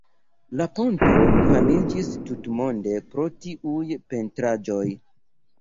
La ponto famiĝis tutmonde pro tiuj pentraĵoj.